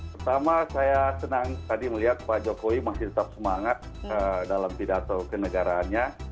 pertama saya senang tadi melihat pak jokowi masih tetap semangat dalam pidato kenegaraannya